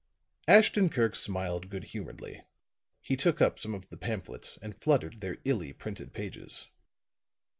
Ashton Kirk smiled good humoredly. He took up some of the pamphlets and fluttered their illy printed pages.